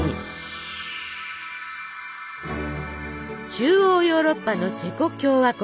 中央ヨーロッパのチェコ共和国。